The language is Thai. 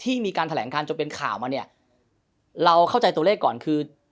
มีการแถลงการจนเป็นข่าวมาเนี่ยเราเข้าใจตัวเลขก่อนคือ